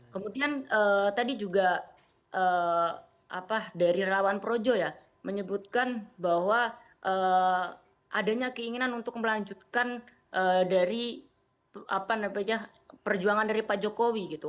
kemudian tadi juga dari rawan projo ya menyebutkan bahwa adanya keinginan untuk melanjutkan dari perjuangan dari pak jokowi gitu